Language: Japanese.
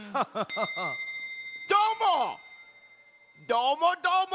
どーもどーも！